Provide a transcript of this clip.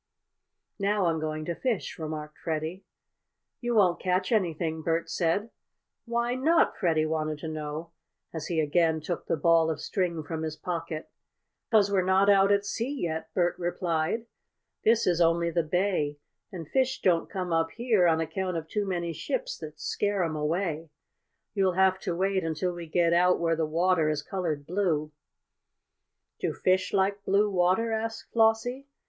"Now I'm going to fish," remarked Freddie. "You won't catch anything," Bert said. "Why not?" Freddie wanted to know, as he again took the ball of string from his pocket. "'Cause we're not out at sea yet," Bert replied. "This is only the bay, and fish don't come up here on account of too many ships that scare 'em away. You'll have to wait until we get out where the water is colored blue." "Do fish like blue water?" asked Flossie.